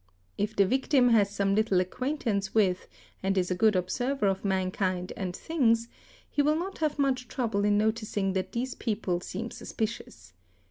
If the victim has some little acquaintance with _ and is a good observer of mankind and things, he will not have much trouble in noticing that these people seem suspicious.